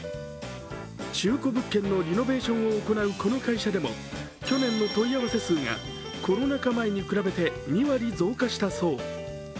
中古物件のリノベーションを行う、この会社でも去年の問い合わせ数がコロナ禍前に比べて２割増加したそう。